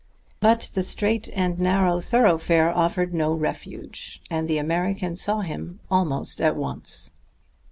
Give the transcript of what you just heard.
But the straight and narrow thoroughfare offered no refuge, and the American saw him almost at once.